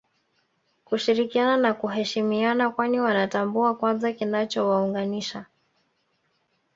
Kushirikiana na kuheshimiana kwani Wanatambua kwanza kinachowaunganisha